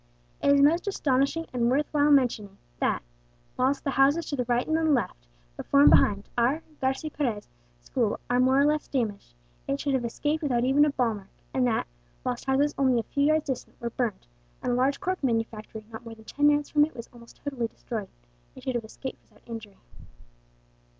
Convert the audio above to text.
"It is most astonishing and worth while mentioning that, whilst the houses to the right and left, before and behind, our (Garci Perez) school are more or less damaged, it should have escaped without even a ball mark; and that, whilst houses only a few yards distant were burned, and a large cork manufactory not more than ten yards from it was almost totally destroyed, it should have escaped without injury.